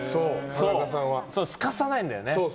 すかさないんだよね。